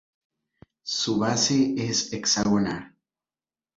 Su base es hexagonal.